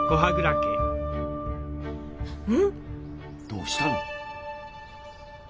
どうしたの？